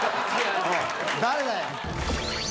誰だよ？